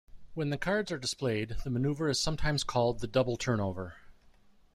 When the cards are displayed, the maneuver is sometimes called the "double turnover".